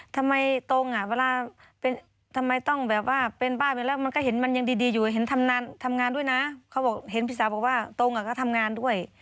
ทำไมตรงอ่ะเวลาทำไมต้องแบบว่าเป็นบ้านไปแล้วมันก็เห็นมันยังดีอยู่เห็นทำงานด้วยนะเขาบอกเห็นพี่สาวบอกว่าตรงอ่ะก็ทำงานด้วย